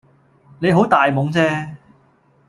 你好大懵即